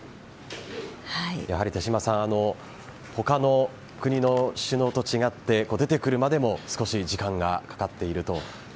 やはり、手嶋さん他の国の首脳と違って出てくるまでも少し時間がかかっているという。